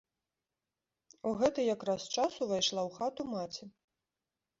У гэты якраз час увайшла ў хату маці.